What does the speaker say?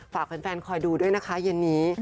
ฝากแฟนคอยดูด้วยนะคะเย็นนี้